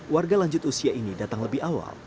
warga lanjut usia ini datang lebih awal